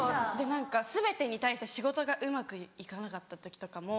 何か全てに対して仕事がうまく行かなかった時とかも。